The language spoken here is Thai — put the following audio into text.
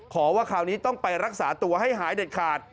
ว่าคราวนี้ต้องไปรักษาตัวให้หายเด็ดขาด